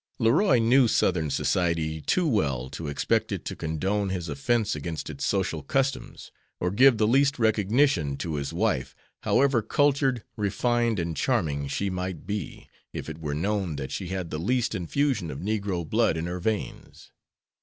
Leroy knew Southern society too well to expect it to condone his offense against its social customs, or give the least recognition to his wife, however cultured, refined, and charming she might be, if it were known that she had the least infusion of negro blood in her veins.